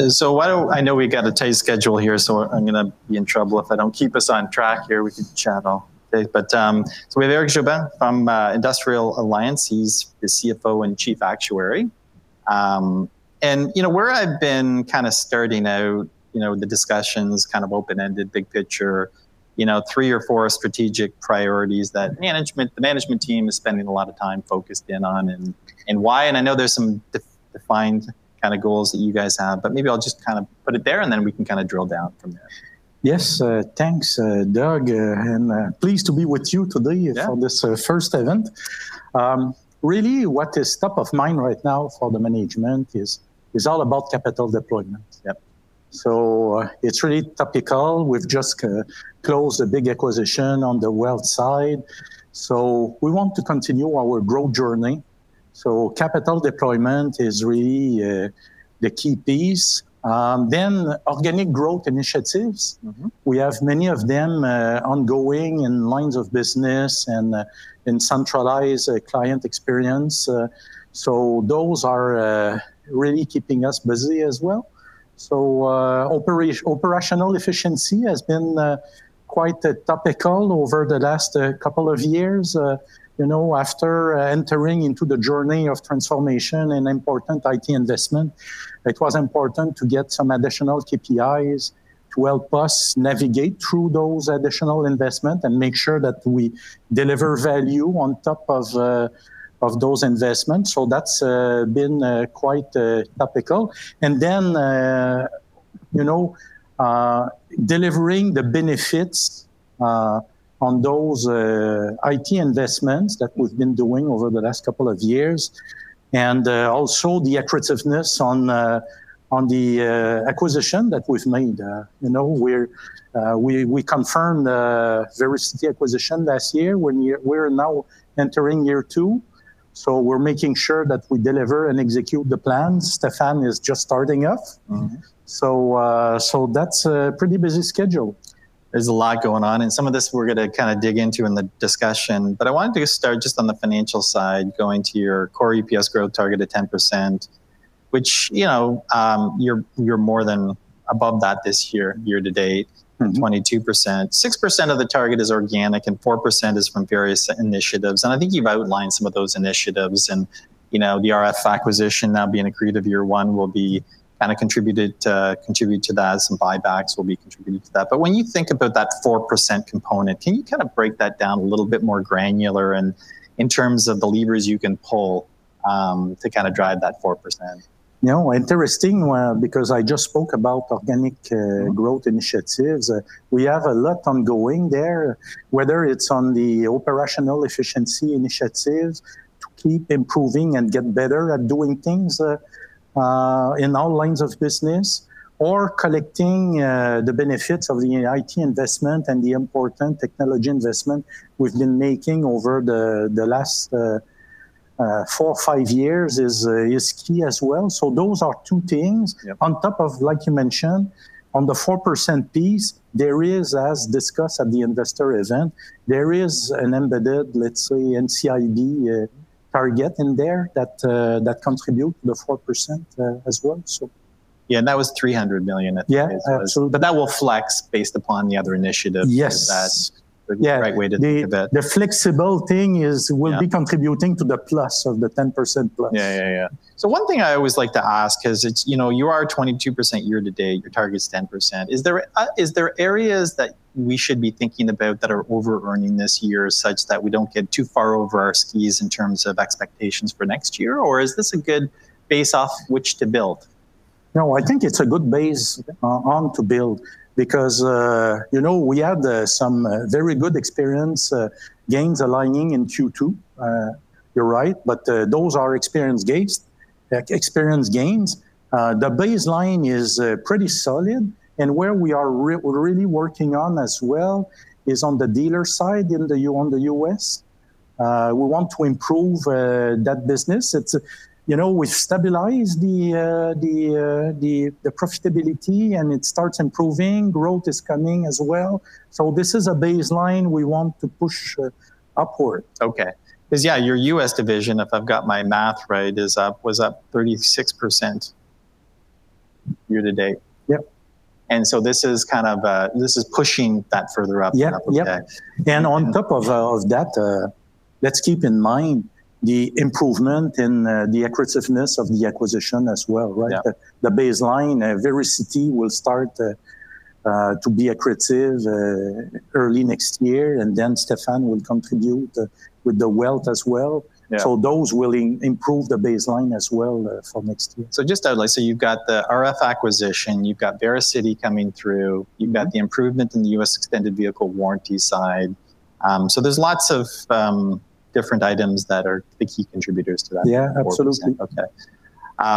I know we've got a tight schedule here, so I'm going to be in trouble if I don't keep us on track here. We can chat all day. We have Éric Jobin from Industrial Alliance. He's the CFO and Chief Actuary. Where I've been kind of starting out, the discussion is kind of open-ended, big picture, three or four strategic priorities that the management team is spending a lot of time focused in on and why. I know there's some defined kind of goals that you guys have, but maybe I'll just kind of put it there, and then we can kind of drill down from there. Yes, thanks, Doug. Pleased to be with you today for this first event. Really, what is top of mind right now for the management is all about capital deployment. It is really topical. We've just closed a big acquisition on the wealth side. We want to continue our growth journey. Capital deployment is really the key piece. Organic growth initiatives, we have many of them ongoing in lines of business and in centralized client experience. Those are really keeping us busy as well. Operational efficiency has been quite topical over the last couple of years. After entering into the journey of transformation and important IT investment, it was important to get some additional KPIs to help us navigate through those additional investments and make sure that we deliver value on top of those investments. That has been quite topical. Delivering the benefits on those IT investments that we've been doing over the last couple of years, and also the accretiveness on the acquisition that we've made. We confirmed various acquisitions last year. We're now entering year two. We are making sure that we deliver and execute the plans. Stephan is just starting off. That is a pretty busy schedule. There's a lot going on. Some of this we're going to kind of dig into in the discussion. I wanted to start just on the financial side, going to your core EPS growth target at 10%, which you're more than above that this year, year to date, 22%. 6% of the target is organic, and 4% is from various initiatives. I think you've outlined some of those initiatives. The RF acquisition now being accretive year one will kind of contribute to that. Some buybacks will be contributing to that. When you think about that 4% component, can you kind of break that down a little bit more granular and in terms of the levers you can pull to kind of drive that 4%? No, interesting, because I just spoke about organic growth initiatives. We have a lot ongoing there, whether it's on the operational efficiency initiatives to keep improving and get better at doing things in all lines of business, or collecting the benefits of the IT investment and the important technology investment we've been making over the last four or five years is key as well. Those are two things. On top of, like you mentioned, on the 4% piece, there is, as discussed at the investor event, there is an embedded, let's say, NCIB target in there that contributes to the 4% as well. Yeah, that was $300 million, I think. That will flex based upon the other initiatives. Yes. Is that the right way to think of it? The flexible thing will be contributing to the + of the 10% +. Yeah, yeah, yeah. One thing I always like to ask is you are 22% year to date. Your target is 10%. Is there areas that we should be thinking about that are over-earning this year such that we don't get too far over our skis in terms of expectations for next year? Or is this a good base off which to build? No, I think it's a good base on to build, because we had some very good experience gains aligning in Q2, you're right. Those are experience gains. The baseline is pretty solid. Where we are really working on as well is on the dealer side in the US. We want to improve that business. We've stabilized the profitability, and it starts improving. Growth is coming as well. This is a baseline we want to push upward. OK. Because, yeah, your U.S. Division, if I've got my math right, was up 36% year to date. Yep. This is kind of pushing that further up. Yeah. On top of that, let's keep in mind the improvement in the accretiveness of the acquisition as well. The baseline, Vericity will start to be accretive early next year. Stephan will contribute with the wealth as well. Those will improve the baseline as well for next year. Just to outline, you've got the RF acquisition. You've got Vericity coming through. You've got the improvement in the U.S. extended vehicle warranty side. There's lots of different items that are the key contributors to that. Yeah, absolutely. OK.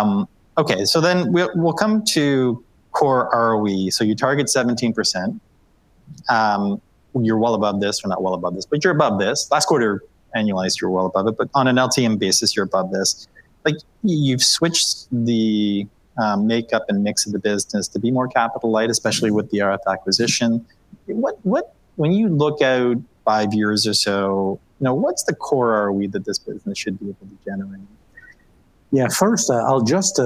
OK, so then we'll come to core ROE. You target 17%. You're well above this or not well above this, but you're above this. Last quarter annualized, you're well above it. On an LTM basis, you're above this. You've switched the makeup and mix of the business to be more capital light, especially with the RF acquisition. When you look out five years or so, what's the core ROE that this business should be able to generate? Yeah, first, I'll just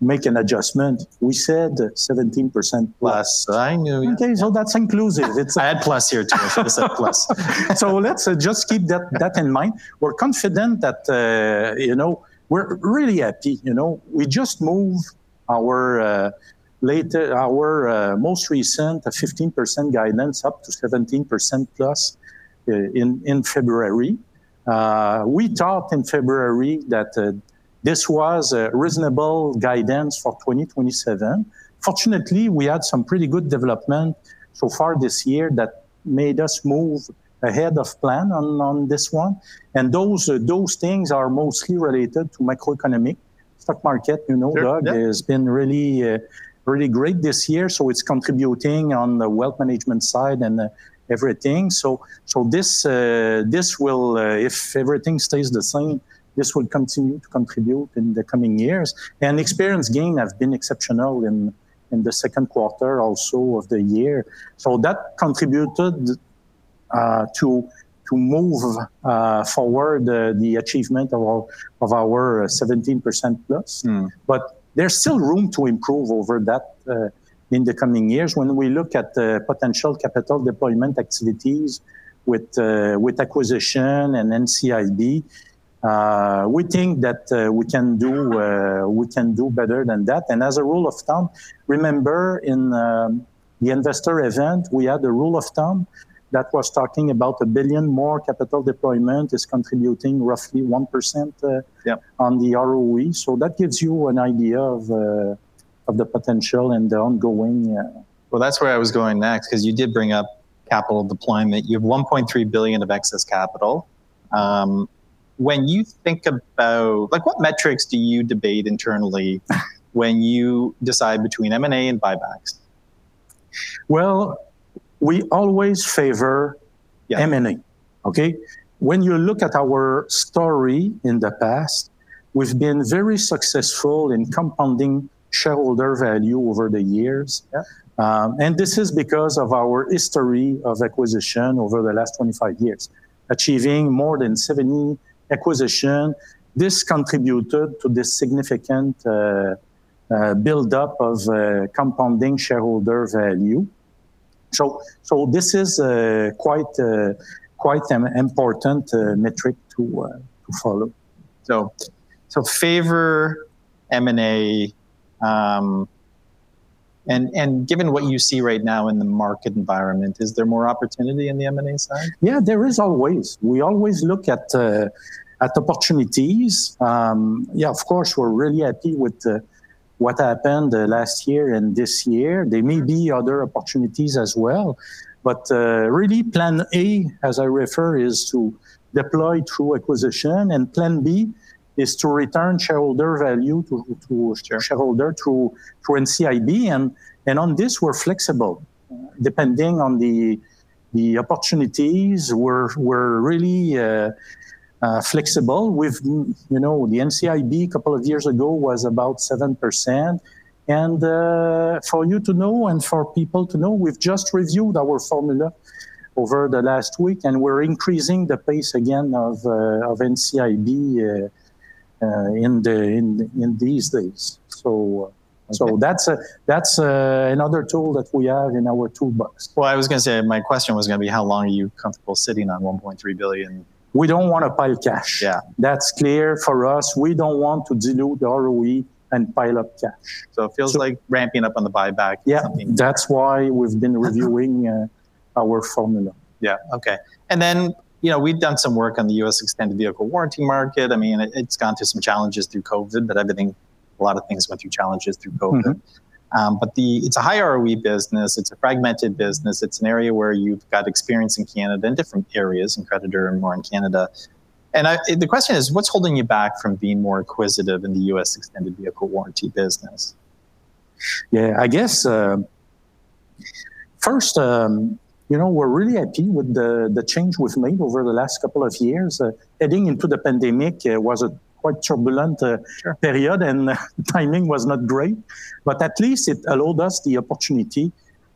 make an adjustment. We said 17% +. I knew. OK, so that's inclusive. I add + here too. I said +. Let's just keep that in mind. We're confident that we're really happy. We just moved our most recent 15% guidance up to 17% + in February. We thought in February that this was a reasonable guidance for 2027. Fortunately, we had some pretty good development so far this year that made us move ahead of plan on this one. Those things are mostly related to macroeconomic stock market. Doug has been really great this year. It's contributing on the wealth management side and everything. If everything stays the same, this will continue to contribute in the coming years. Experience gain has been exceptional in the second quarter also of the year. That contributed to move forward the achievement of our 17% +. There's still room to improve over that in the coming years. When we look at potential capital deployment activities with acquisition and NCIB, we think that we can do better than that. As a rule of thumb, remember in the investor event, we had a rule of thumb that was talking about a billion more capital deployment is contributing roughly 1% on the ROE. That gives you an idea of the potential and the ongoing. That's where I was going next, because you did bring up capital deployment. You have $1.3 billion of excess capital. When you think about what metrics do you debate internally when you decide between M&A and buybacks? We always favor M&A. When you look at our story in the past, we've been very successful in compounding shareholder value over the years. This is because of our history of acquisition over the last 25 years, achieving more than 70 acquisitions. This contributed to this significant buildup of compounding shareholder value. This is quite an important metric to follow. Favor M&A. And given what you see right now in the market environment, is there more opportunity on the M&A side? Yeah, there is always. We always look at opportunities. Yeah, of course, we're really happy with what happened last year and this year. There may be other opportunities as well. Really, plan A, as I refer, is to deploy through acquisition. Plan B is to return shareholder value to shareholder through NCIB. On this, we're flexible. Depending on the opportunities, we're really flexible. The NCIB a couple of years ago was about 7%. For you to know and for people to know, we've just reviewed our formula over the last week. We're increasing the pace again of NCIB in these days. That's another tool that we have in our toolbox. I was going to say my question was going to be, how long are you comfortable sitting on $1.3 billion? We don't want a pile of cash. Yeah. That's clear for us. We don't want to dilute ROE and pile up cash. It feels like ramping up on the buyback. Yeah, that's why we've been reviewing our formula. Yeah, OK. We've done some work on the US extended vehicle warranty market. I mean, it's gone through some challenges through COVID, but a lot of things went through challenges through COVID. It's a high ROE business. It's a fragmented business. It's an area where you've got experience in Canada and different areas, and creditors are more in Canada. The question is, what's holding you back from being more acquisitive in the US extended vehicle warranty business? Yeah, I guess first, we're really happy with the change we've made over the last couple of years. Heading into the pandemic, it was a quite turbulent period. Timing was not great. At least it allowed us the opportunity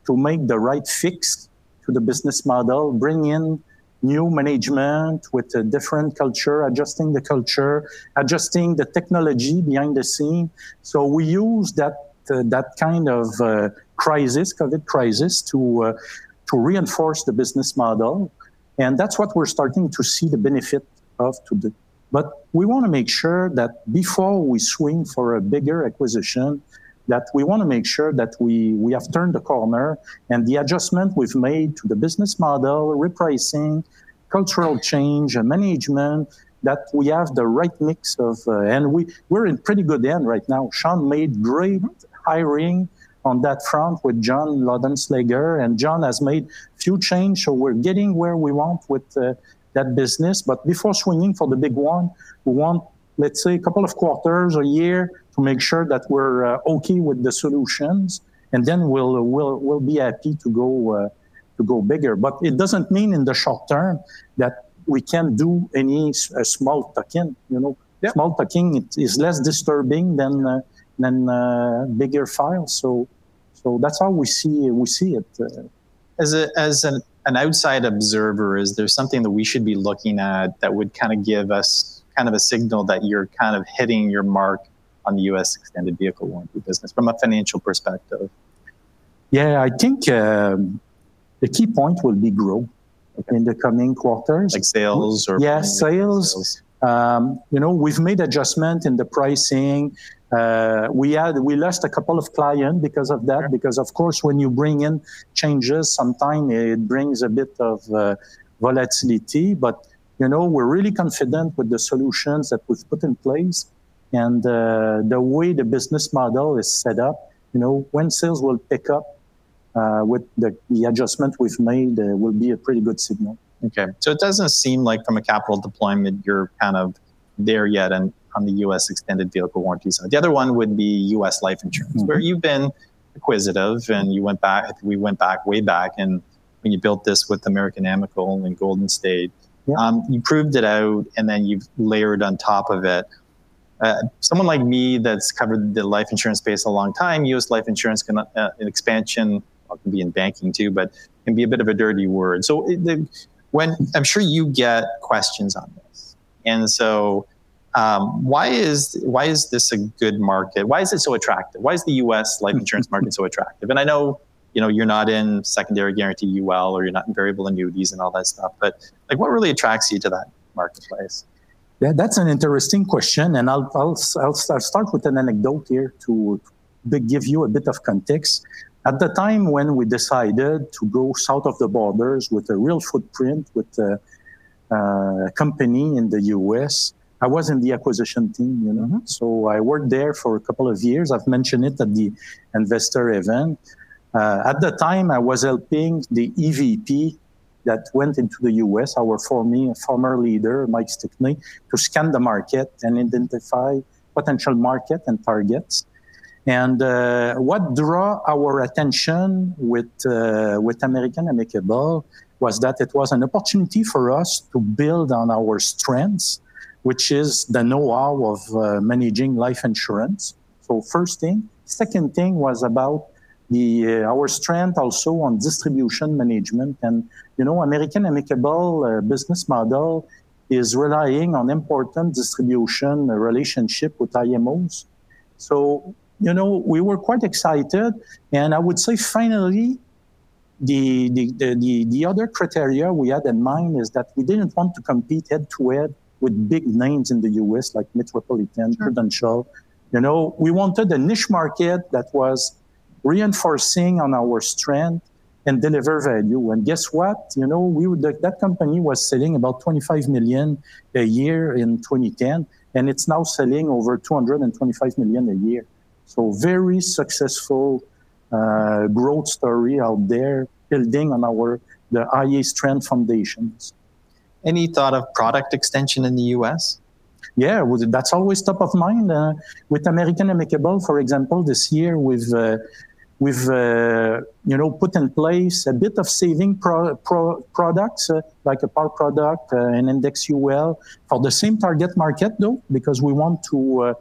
to make the right fix to the business model, bring in new management with a different culture, adjusting the culture, adjusting the technology behind the scene. We used that kind of crisis, COVID crisis, to reinforce the business model. That's what we're starting to see the benefit of today. We want to make sure that before we swing for a bigger acquisition, we want to make sure that we have turned the corner. The adjustment we've made to the business model, repricing, cultural change, and management, that we have the right mix of. We're in pretty good hands right now. Sean made great hiring on that front with John Lodenslager. John has made a few changes. We are getting where we want with that business. Before swinging for the big one, we want, let's say, a couple of quarters or a year to make sure that we are OK with the solutions. We will be happy to go bigger. It does not mean in the short term that we cannot do any small tucking. Small tucking is less disturbing than bigger files. That is how we see it. As an outside observer, is there something that we should be looking at that would kind of give us kind of a signal that you're kind of hitting your mark on the U.S. extended vehicle warranty business from a financial perspective? Yeah, I think the key point will be growth in the coming quarters. Like sales or business growth? Yeah, sales. We've made adjustments in the pricing. We lost a couple of clients because of that, because of course, when you bring in changes, sometimes it brings a bit of volatility. We are really confident with the solutions that we've put in place. The way the business model is set up, when sales will pick up with the adjustment we've made, it will be a pretty good signal. OK. It doesn't seem like from a capital deployment, you're kind of there yet on the U.S. extended vehicle warranty. The other one would be U.S. life insurance, where you've been acquisitive. We went back way back. When you built this with American Amicable and Golden State, you proved it out. Then you've layered on top of it. Someone like me that's covered the life insurance space a long time, U.S. life insurance expansion, it could be in banking too, but can be a bit of a dirty word. I'm sure you get questions on this. Why is this a good market? Why is it so attractive? Why is the U.S. life insurance market so attractive? I know you're not in secondary guarantee UL, or you're not in variable annuities and all that stuff. What really attracts you to that marketplace? That's an interesting question. I'll start with an anecdote here to give you a bit of context. At the time when we decided to go south of the border with a real footprint with a company in the U.S., I was in the acquisition team. I worked there for a couple of years. I mentioned it at the investor event. At the time, I was helping the EVP that went into the U.S., our former leader, Mike Stickney, to scan the market and identify potential market and targets. What drew our attention with American Amicable was that it was an opportunity for us to build on our strengths, which is the know-how of managing life insurance. First thing. Second thing was about our strength also on distribution management. American Amicable business model is relying on important distribution relationships with IMOs. We were quite excited. I would say finally, the other criteria we had in mind is that we did not want to compete head to head with big names in the U.S. like MetLife, Prudential. We wanted a niche market that was reinforcing on our strength and deliver value. Guess what? That company was selling about $25 million a year in 2010, and it is now selling over $225 million a year. Very successful growth story out there, building on the highest trend foundations. Any thought of product extension in the U.S.? Yeah, that's always top of mind. With American Amicable, for example, this year, we've put in place a bit of saving products, like a Power Product, an Indexed UL, for the same target market, though, because we want to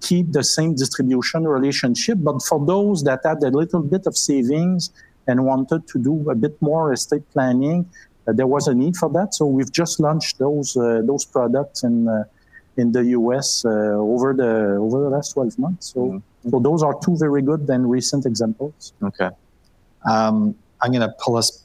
keep the same distribution relationship. For those that had a little bit of savings and wanted to do a bit more estate planning, there was a need for that. We have just launched those products in the U.S. over the last 12 months. Those are two very good and recent examples. OK. I'm going to pull us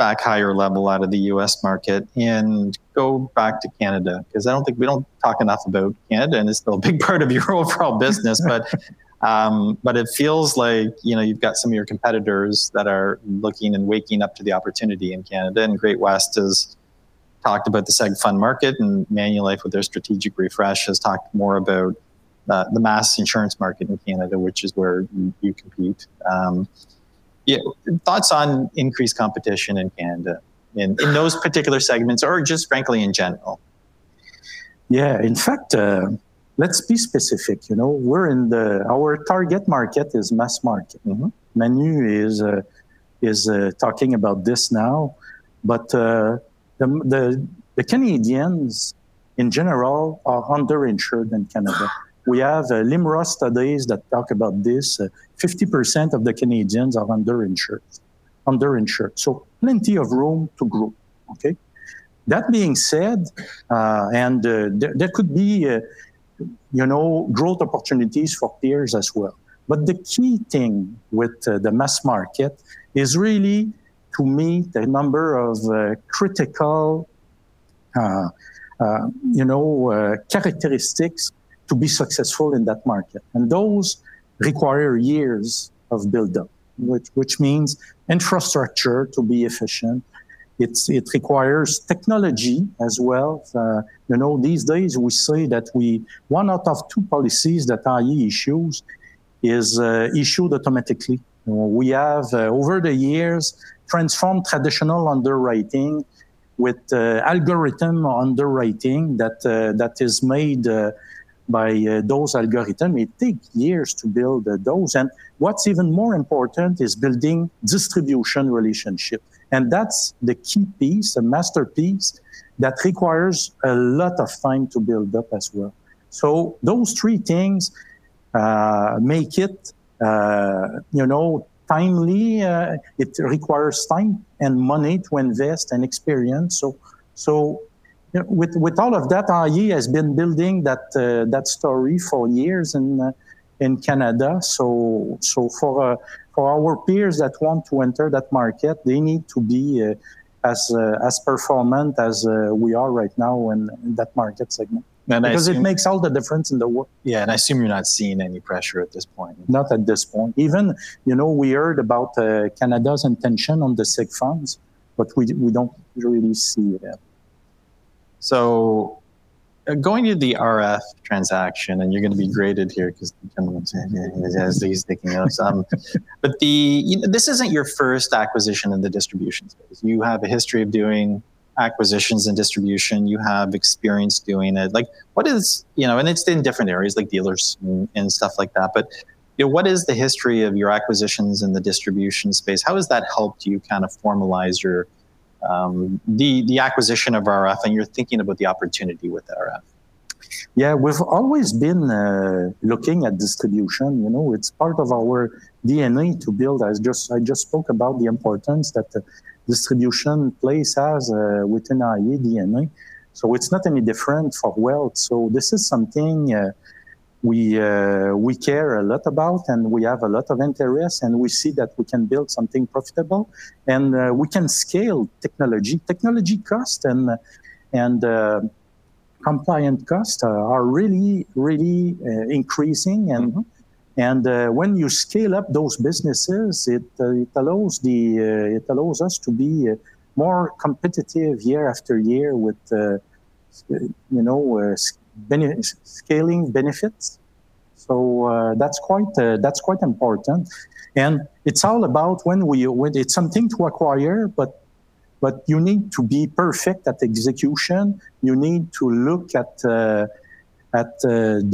back higher level out of the U.S. market and go back to Canada, because I don't think we talk enough about Canada. And it's still a big part of your overall business. It feels like you've got some of your competitors that are looking and waking up to the opportunity in Canada. Great-West has talked about the SEG Fund market. Manulife, with their strategic refresh, has talked more about the mass insurance market in Canada, which is where you compete. Thoughts on increased competition in Canada in those particular segments or just frankly in general? Yeah, in fact, let's be specific. Our target market is mass market. Manulife is talking about this now. The Canadians in general are underinsured in Canada. We have LIMRA studies that talk about this. 50% of the Canadians are underinsured. Plenty of room to grow. That being said, there could be growth opportunities for peers as well. The key thing with the mass market is really to meet a number of critical characteristics to be successful in that market. Those require years of buildup, which means infrastructure to be efficient. It requires technology as well. These days, we say that one out of two policies that iA issues is issued automatically. We have, over the years, transformed traditional underwriting with algorithm underwriting that is made by those algorithms. It takes years to build those. What's even more important is building distribution relationships. That's the key piece, the masterpiece that requires a lot of time to build up as well. Those three things make it timely. It requires time and money to invest and experience. With all of that, iA has been building that story for years in Canada. For our peers that want to enter that market, they need to be as performant as we are right now in that market segment, because it makes all the difference in the world. Yeah, and I assume you're not seeing any pressure at this point. Not at this point. Even we heard about Canada's intention on the SEG Funds, but we don't really see it. Going to the RF transaction, and you're going to be graded here because someone has these sticking up. This isn't your first acquisition in the distribution space. You have a history of doing acquisitions in distribution. You have experience doing it. It's in different areas, like dealers and stuff like that. What is the history of your acquisitions in the distribution space? How has that helped you kind of formalize the acquisition of RF and your thinking about the opportunity with RF? Yeah, we've always been looking at distribution. It's part of our DNA to build. I just spoke about the importance that distribution plays as within iA DNA. It's not any different for wealth. This is something we care a lot about. We have a lot of interest. We see that we can build something profitable. We can scale technology. Technology costs and compliance costs are really, really increasing. When you scale up those businesses, it allows us to be more competitive year after year with scaling benefits. That's quite important. It's all about when it's something to acquire, but you need to be perfect at execution. You need to look at the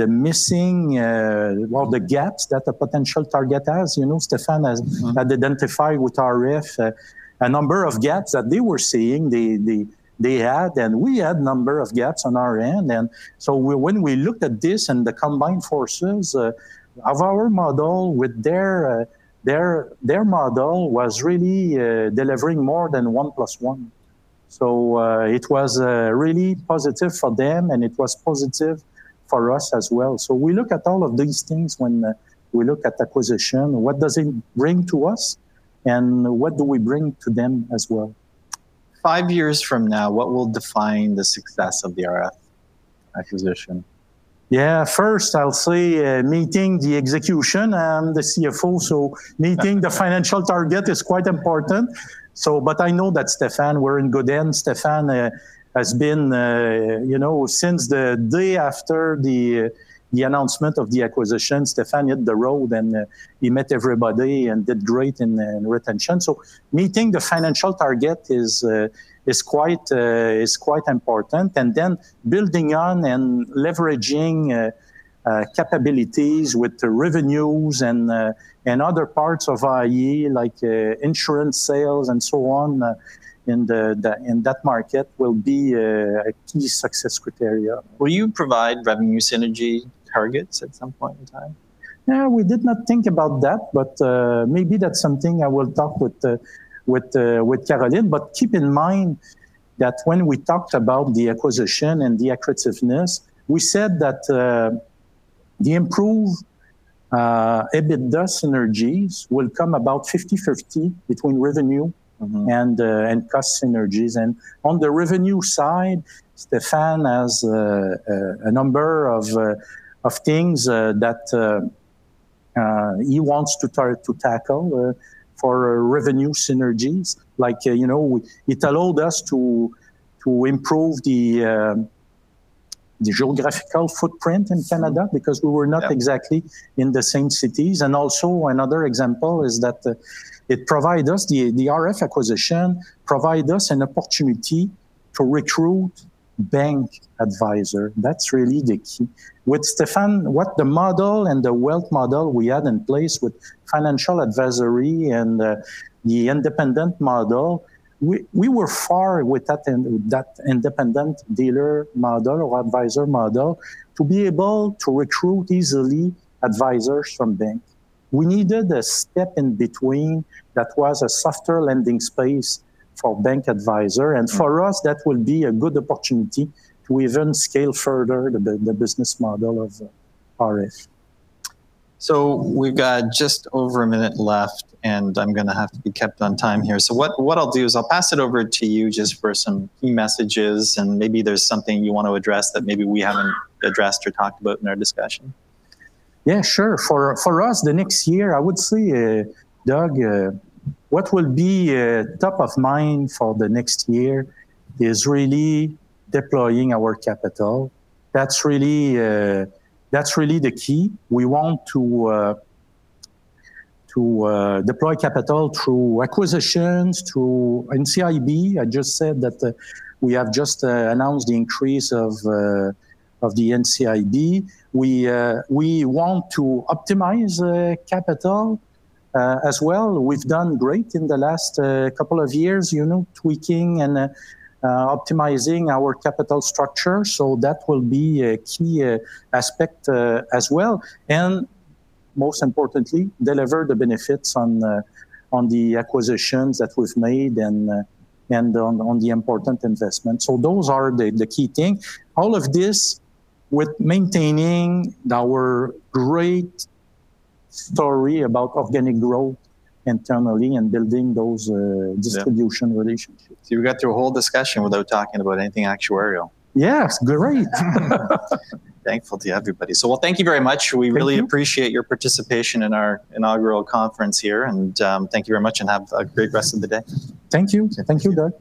missing, well, the gaps that a potential target has. Stephan had identified with RF a number of gaps that they were seeing they had. We had a number of gaps on our end. When we looked at this and the combined forces of our model with their model, it was really delivering more than 1+1. It was really positive for them. It was positive for us as well. We look at all of these things when we look at acquisition. What does it bring to us? What do we bring to them as well? Five years from now, what will define the success of the RF acquisition? Yeah, first, I'll say meeting the execution and the CFO. Meeting the financial target is quite important. I know that Stephan, we're in good hands. Stephan has been, since the day after the announcement of the acquisition, Stephan hit the road. He met everybody and did great in retention. Meeting the financial target is quite important. Building on and leveraging capabilities with revenues and other parts of iA, like insurance sales and so on in that market, will be a key success criteria. Will you provide revenue synergy targets at some point in time? Yeah, we did not think about that. Maybe that's something I will talk with Caroline. Keep in mind that when we talked about the acquisition and the accretiveness, we said that the improved EBITDA synergies will come about 50/50 between revenue and cost synergies. On the revenue side, Stephan has a number of things that he wants to tackle for revenue synergies. Like it allowed us to improve the geographical footprint in Canada because we were not exactly in the same cities. Also, another example is that it provides us, the RF acquisition provides us, an opportunity to recruit bank advisors. That's really the key. With Stephan, with the model and the wealth model we had in place with financial advisory and the independent model, we were far with that independent dealer model or advisor model to be able to recruit easily advisors from banks. We needed a step in between that was a softer lending space for bank advisors. For us, that will be a good opportunity to even scale further the business model of RF. We have just over a minute left. I am going to have to be kept on time here. What I will do is pass it over to you for some key messages. Maybe there is something you want to address that we have not addressed or talked about in our discussion. Yeah, sure. For us, the next year, I would say, Doug, what will be top of mind for the next year is really deploying our capital. That's really the key. We want to deploy capital through acquisitions, through NCIB. I just said that we have just announced the increase of the NCIB. We want to optimize capital as well. We've done great in the last couple of years, tweaking and optimizing our capital structure. That will be a key aspect as well. Most importantly, deliver the benefits on the acquisitions that we've made and on the important investments. Those are the key things. All of this with maintaining our great story about organic growth internally and building those distribution relationships. You got through a whole discussion without talking about anything actuarial. Yes, great. Thankful to everybody. Thank you very much. We really appreciate your participation in our inaugural conference here. Thank you very much, and have a great rest of the day. Thank you. Thank you, Doug.